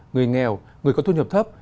người nghèo người có thu nhập thấp